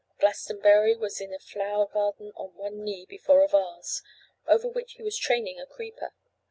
Glastonbury was in the flower garden on one knee before a vase, over which he was training a creeper.